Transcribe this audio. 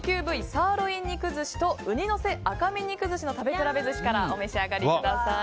サーロイン肉寿司と雲丹のせ赤身肉寿司の食べ比べ寿司からお召し上がりください。